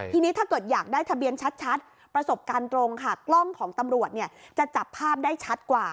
ทีนี้ถ้าเกิดอยากได้ทะเบียนชัดประสบการณ์ตรงค่ะกล้องของตำรวจเนี่ยจะจับภาพได้ชัดกว่า